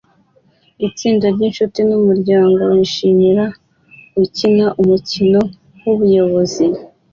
Itsinda ryinshuti numuryango wishimisha ukina umukino wubuyobozi